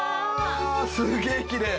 すげえきれい。